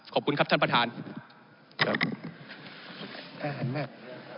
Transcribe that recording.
ขอบคุณครับท่านประธานครับ